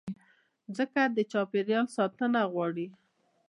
مځکه د چاپېریال ساتنه غواړي.